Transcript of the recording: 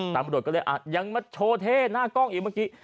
ตำรวจก็เลยยังมาโชว์เท่หน้ากล้องอีกเมื่อกี้